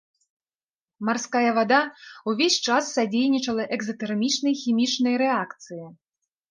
Марская вада ўвесь час садзейнічала экзатэрмічнай хімічнай рэакцыі.